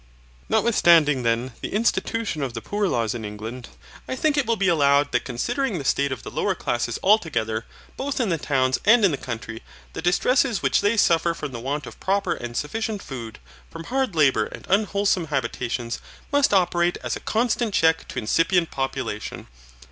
Notwithstanding, then, the institution of the poor laws in England, I think it will be allowed that considering the state of the lower classes altogether, both in the towns and in the country, the distresses which they suffer from the want of proper and sufficient food, from hard labour and unwholesome habitations, must operate as a constant check to incipient population.